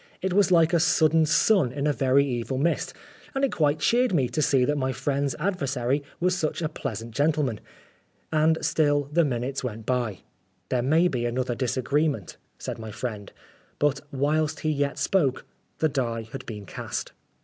It was like a sudden sun in a very evil mist, and it quite cheered me to see that my friend's adversary was such a pleasant gentleman. And still the minutes went by. ." There may be another disagreement," said Oscar Wilde my friend. But whilst he yet spoke the die had been cast.